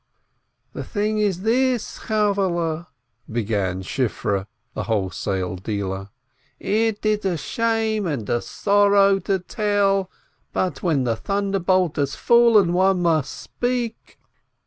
"The thing is this, Chavvehle," began Shifreh, the wholesale dealer, "it is a shame and a sorrow to tell, but when the thunderbolt has fallen, one must speak.